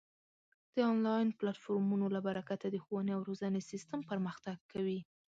د آنلاین پلتفورمونو له برکته د ښوونې او روزنې سیستم پرمختګ کوي.